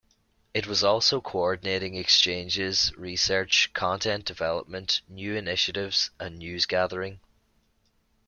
It was also coordinating exchanges, research, content development, new initiatives and news gathering.